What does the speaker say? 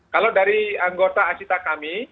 kalau dari anggota asita kami